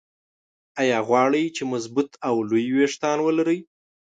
ايا غواړئ چې مضبوط او لوى ويښتان ولرى؟